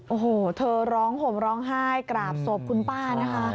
โอ้โหเธอร้องห่มร้องไห้กราบศพคุณป้านะคะ